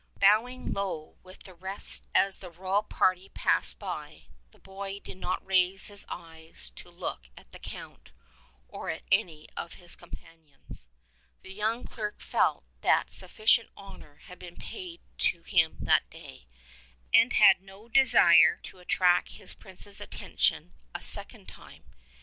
Bowing low with the rest as the royal party passed by, the boy did not raise his eyes to look at the Count or at any of his companions. The young cleric felt that sufficient honor had been paid him that day, and had no desire to attract his prince's attention a second time.